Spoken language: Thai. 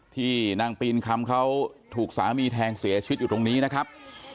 ที่นางปีนคำเขาถูกสามีแทงเสียชีวิตอยู่ตรงนี้นะครับ